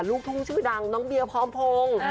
ลูกทุ่งชื่อดังน้องเบียพร้อมพงศ์